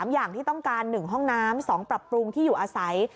อย่างที่ต้องการ๑ห้องน้ำ๒ปรับปรุงที่อยู่อาศัย